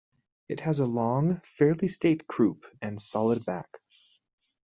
It has a long, fairly straight croup and solid back.